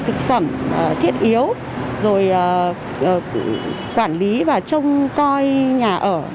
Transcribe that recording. thực phẩm thiết yếu rồi quản lý và trông coi nhà ở